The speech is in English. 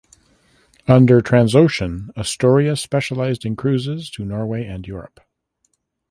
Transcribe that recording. Under Transocean "Astoria" specialized in cruises to Norway and Europe.